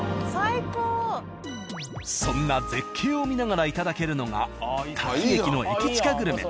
そんな絶景を見ながらいただけるのが滝駅のエキチカグルメ。